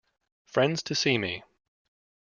Friends to see me!